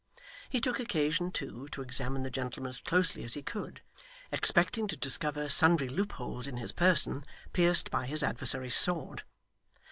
He took occasion, too, to examine the gentleman as closely as he could, expecting to discover sundry loopholes in his person, pierced by his adversary's sword.